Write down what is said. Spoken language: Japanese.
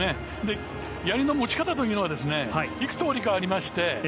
やりの持ち方というのはいくつかありまして。